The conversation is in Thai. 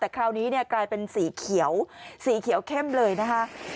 แต่คราวนี้กลายเป็นสีเขียวเข้มเลยนะครับ